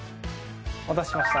お待たせしました。